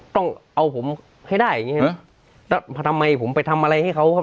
ต้องเอาผมให้ได้อย่างงี้ใช่ไหมแล้วทำไมผมไปทำอะไรให้เขาเขา